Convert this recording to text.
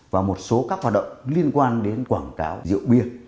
và một số các hoạt động liên quan đến quảng cáo rượu bia